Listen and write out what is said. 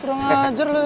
udah ngajar lo ya